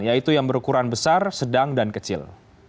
yaitu yang berukuran besar sedang dan kecil